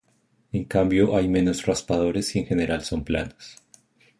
En cambio hay menos raspadores y en general son planos.